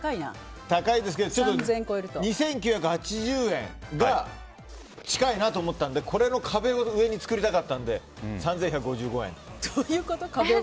高いですけど、２９８０円が近いなと思ったのでこれの壁を上に作りたかったのでどういうこと？